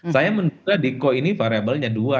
saya menduga diko ini variabelnya dua